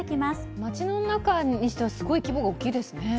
街の中にしては、すごい規模が大きいですね。